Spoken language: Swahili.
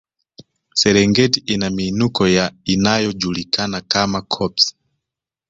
Serengeti ina miinuko ya inayojulikana kama koppes